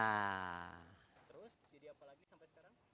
terus jadi apa lagi sampai sekarang